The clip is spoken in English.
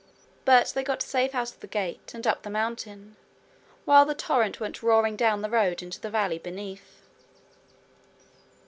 But they got safe out of the gate and up the mountain, while the torrent went roaring down the road into the valley beneath.